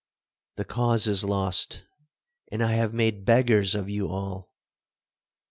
The cause is lost, and I have made beggars of you all!'